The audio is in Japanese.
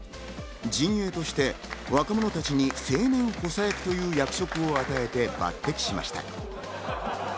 陣営として若者たちに青年補佐役という役職を与えて抜てきしました。